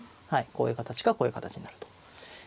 こういう形かこういう形になると。